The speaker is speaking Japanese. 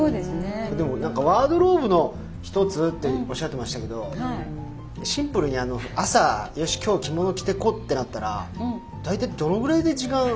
でもなんかワードローブのひとつっておっしゃってましたけどシンプルに朝「よし今日着物着ていこう」ってなったら大体どのぐらいで時間。